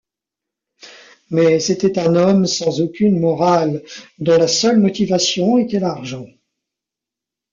Mais c'était un homme sans aucune morale dont la seule motivation était l'argent.